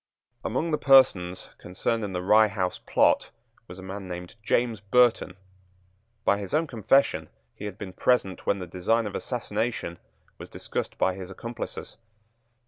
Among the persons concerned in the Rye House plot was a man named James Burton. By his own confession he had been present when the design of assassination was discussed by his accomplices.